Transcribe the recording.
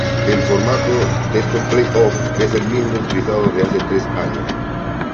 El formato de estos "playoffs" es el mismo utilizado desde hace tres años.